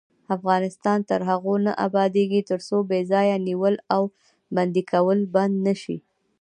افغانستان تر هغو نه ابادیږي، ترڅو بې ځایه نیول او بندي کول بند نشي.